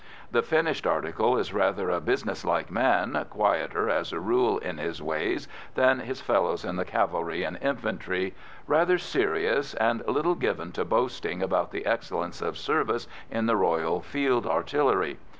The finished article is rather a business like man, quieter as a rule in his ways than his fellows in the cavalry and infantry, rather serious, and little given to boasting about the excellence of service in the Royal Field Artillery.